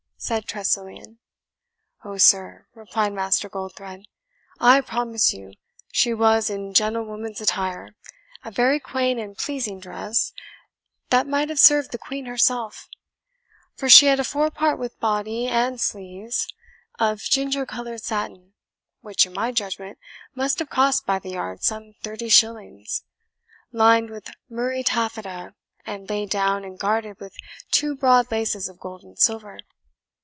said Tressilian. "Oh, sir," replied Master Goldthred, "I promise you, she was in gentlewoman's attire a very quaint and pleasing dress, that might have served the Queen herself; for she had a forepart with body and sleeves, of ginger coloured satin, which, in my judgment, must have cost by the yard some thirty shillings, lined with murrey taffeta, and laid down and guarded with two broad laces of gold and silver.